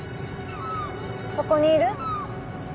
そこにいる？